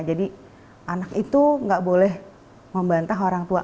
jadi anak itu nggak boleh membantah orang tua